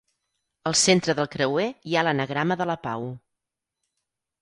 Al centre del creuer hi ha l'anagrama de la pau.